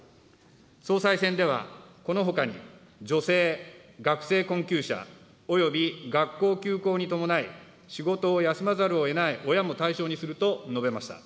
総裁選では、このほかに女性、学生困窮者、および学校休校に伴い仕事を休まざるをえない親も対象にすると述べました。